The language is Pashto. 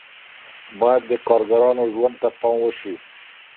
باید د کارګرانو ژوند ته پام وشي.